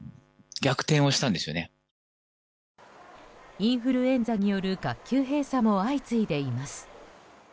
インフルエンザによる学級閉鎖も相次いでいます。